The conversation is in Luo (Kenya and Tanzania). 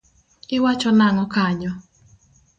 Iwacho nango kanyo.